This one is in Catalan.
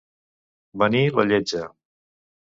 Venir la Lletja.